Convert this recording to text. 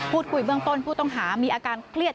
พูดคุยเมืองต้นผู้ต้องหามีอาการเครียด